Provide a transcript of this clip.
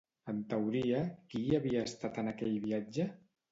En teoria, qui hi havia estat en aquell viatge?